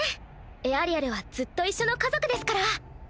エアリアルはずっと一緒の家族ですから。